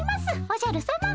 おじゃるさま。